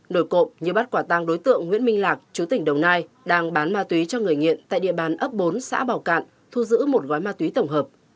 nổi cộng như bắt quả tăng đối tượng nguyễn minh lạc chú tỉnh đồng nai đang bán ma túy cho người nghiện tại địa bàn ấp bốn xã bảo cạn thu giữ một gói ma túy tổng hợp